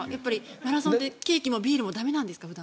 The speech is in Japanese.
マラソンってケーキもビールも駄目なんですか普段。